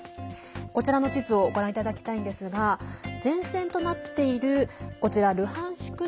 こちらの地図をご覧いただきたいんですが前線となっているルハンシク